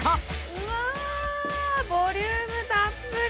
うわボリュームたっぷり！